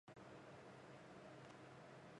アンパンマン